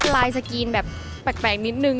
ลายสกรีนแบบแปลกนิดนึง